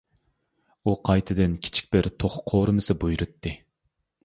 ئۇ قايتىدىن كىچىك بىر توخۇ قورۇمىسى بۇيرۇتتى.